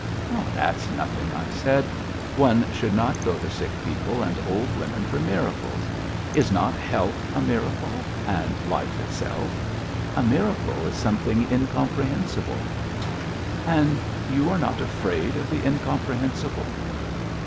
"That's nothing," I said. "One should not go to sick people and old women for miracles. Is not health a miracle? And life itself? A miracle is something incomprehensible." "And you are not afraid of the incomprehensible?"